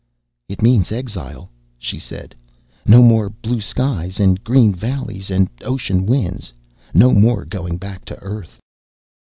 "It means exile," she said. "No more blue skies and green valleys and ocean winds. No more going back to Earth."